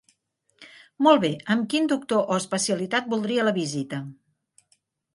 Molt bé, amb quin doctor o especialitat voldria la visita?